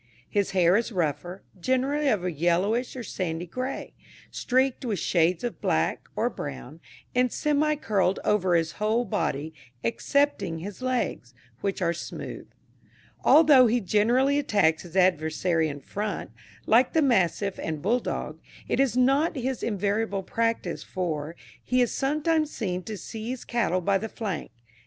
His hair is rougher, generally of a yellowish or sandy grey, streaked with shades of black, or brown, and semi curled over his whole body, excepting his legs, which are smooth. Although he generally attacks his adversary in front, like the mastiff and bull dog, it is not his invariable practice, for, he is sometimes seen to seize cattle by the flank.